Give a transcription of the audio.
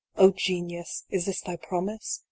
O Genius ! is this thy promise ?